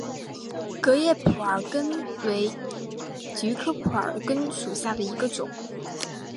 革叶蒲儿根为菊科蒲儿根属下的一个种。